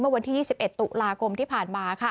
เมื่อวันที่๒๑ตัวราคมที่ผ่านมา